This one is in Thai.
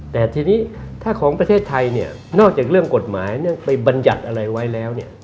แต่ทีนี้ถ้าของประเทศไทยเนี่ยนอกจากเรื่องกฎหมายเรื่องไปบรรยัติอะไรไว้แล้วเนี่ย